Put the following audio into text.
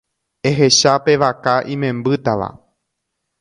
Ehecha pe vaka imembýtava.